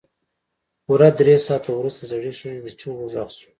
پوره درې ساعته وروسته د زړې ښځې د چيغو غږ شو.